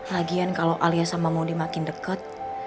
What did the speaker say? lagian kalau alia sama mondi makin deket